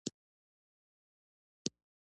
الحمدالله نن مو ډيره ښکلي ورځ پېل کړه.